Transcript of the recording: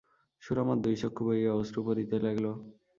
সুরমার দুই চক্ষু বহিয়া অশ্রু পড়িতে লাগল।